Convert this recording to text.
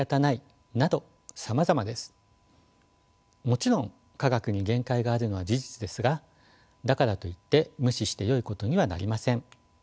もちろん科学に限界があるのは事実ですがだからといって無視してよいことにはなりません。